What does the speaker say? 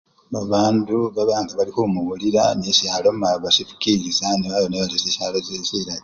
Babandu babanga khebamuwulila, buli nisyo kalima bafukilisya nekabona ari sisyalo silsilayi.